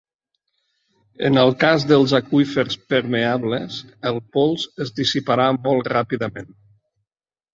En el cas dels aqüífers permeables, el pols es dissiparà molt ràpidament.